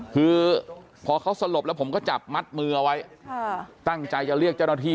คือพอเขาสลบแล้วผมก็จับมัดมือเอาไว้ตั้งใจจะเรียกเจ้าหน้าที่